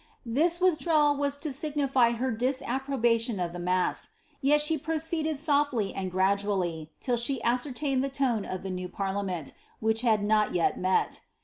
This withdrawal was to signify her disapprobation of the mass ; yet she proceeded softly and gradually, till she ascertained the tone of the new parliament, which had not yet met.